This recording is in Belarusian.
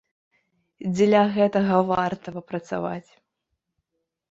Дзеля гэтага варта папрацаваць!